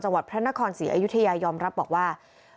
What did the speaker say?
วัดพระนครศรีอยุธยายอมรับบอกว่า